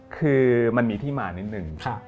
คือมันมีที่มานิดนึง